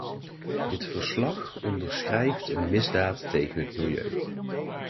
Dit verslag onderschrijft een misdaad tegen het milieu.